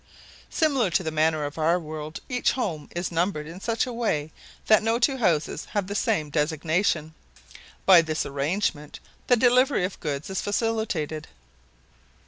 Similar to the manner of our world, each home is numbered in such a way that no two houses have the same designation. By this arrangement the delivery of goods is facilitated.